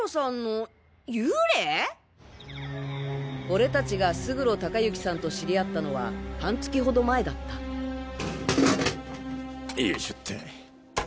俺達が勝呂隆行さんと知り合ったのは半月ほど前だったよいしょっと。